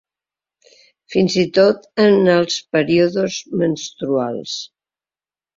Fins i tot en els períodes menstruals.